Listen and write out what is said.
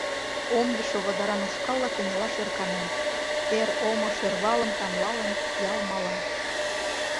Омдышо водаран ушкалла кынелаш ӧрканен, эр омо шӧрвалым тамлалын, ял мала.